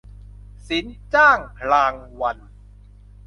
สินจ้างรางวัล